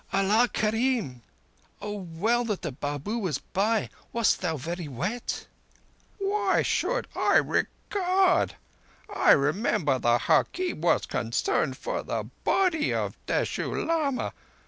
"Allah kerim! Oh, well that the Babu was by! Wast thou very wet?" "Why should I regard? I remember the hakim was concerned for the body of Teshoo Lama.